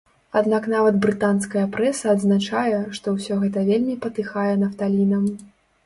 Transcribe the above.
Аднак нават брытанская прэса адзначае, што ўсё гэта вельмі патыхае нафталінам.